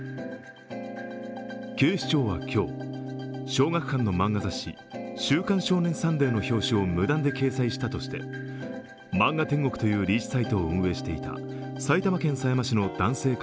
警視庁は今日、小学館の漫画雑誌「週刊少年サンデー」の表紙を無断で掲載したとして漫画天国というサイトを運営していた埼玉県狭山市の男性